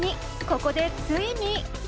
ここでついに！